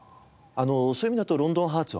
そういう意味だと『ロンドンハーツ』はね